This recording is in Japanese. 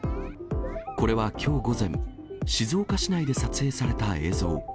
これはきょう午前、静岡市内で撮影された映像。